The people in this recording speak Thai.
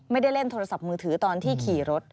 ไม่ได้เล่นโทรศัพท์มือถือตอนที่ขี่รถ